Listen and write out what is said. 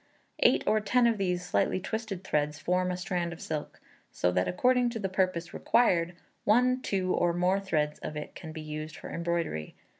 Eight or ten of these slightly twisted threads form a strand of silk, so that, according to the purpose required, one, two, or more threads of it can be used for embroidery.